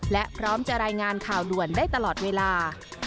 และพร้อมจะรายงานข่าวด่วนได้ตลอดเวลา